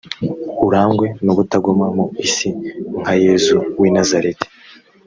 urangwe n’ubutagoma mu isi nka yezu w’i nazareti